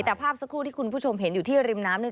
แต่ภาพสักครู่ที่คุณผู้ชมเห็นอยู่ที่ริมน้ำเนี่ย